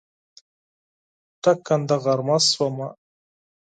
ټکنده غرمه شومه